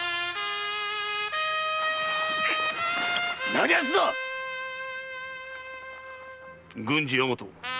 何奴だ⁉郡司大和。